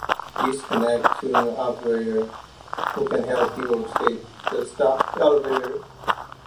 These connect to an operator who can help people escape the stopped elevator.